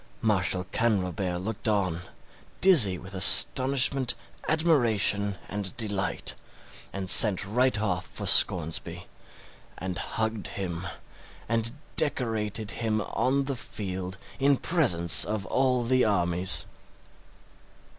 Marshal Canrobert looked on, dizzy with astonishment, admiration, and delight; and sent right off for Scoresby, and hugged him, and decorated him on the field in presence of all the armies!